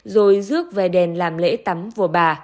rồi rước về đền làm lễ tắm vua bà